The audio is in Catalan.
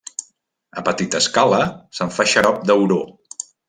A petita escala se'n fa xarop d'auró.